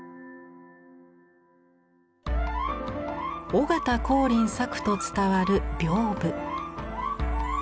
尾形光琳作と伝わる屏風。